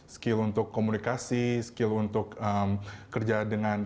skill untuk komunikasi skill untuk kerja dengan